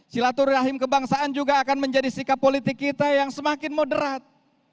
silaturahim kebangsaan juga akan menjadi sikap politik kita yang semakin moderat